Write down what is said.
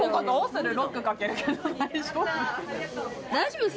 大丈夫？